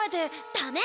ダメ！